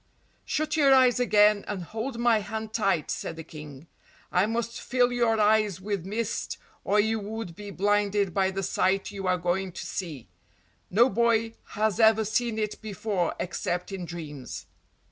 "Shut your eyes again and hold my hand tight," said the King. "I must fill your eyes with mist or you would be blinded by the sight you are going to see. No boy has ever seen it before except in dreams."